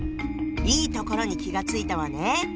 いいところに気が付いたわね！